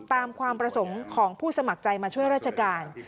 ความประสงค์ของผู้สมัครใจมาช่วยราชการ